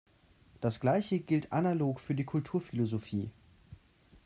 Das Gleiche gilt analog für die Kulturphilosophie.